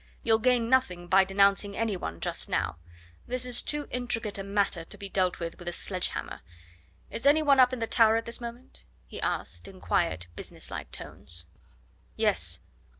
You'll gain nothing by denouncing any one just now. This is too intricate a matter to be dealt with a sledge hammer. Is any one up in the Tower at this moment?" he asked in quiet, business like tones. "Yes.